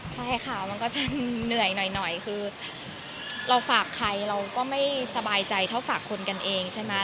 ใช่ค่ะมันก็จะเหนื่อยหน่อยคือเราฝากใครเราก็ไม่สบายใจเท่าฝากคนกันเองใช่ไหม